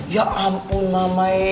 ya ampun mamae